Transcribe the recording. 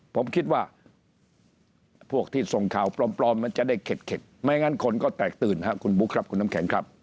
ผมคิดว่าพวกที่ส่งข่าวปลอมมันจะได้เข็ดไม่งั้นคนก็แตกตื่นครับคุณบุ๊คครับคุณน้ำแข็งครับ